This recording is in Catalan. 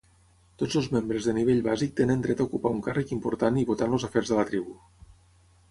Tots els membres de nivell bàsic tenen dret a ocupar un càrrec important i votar en els afers de la tribu.